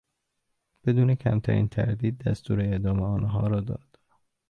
بدون کمترین تردید دستور اعدام آنها را داد.